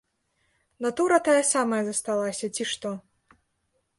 Натура тая самая засталася, ці што.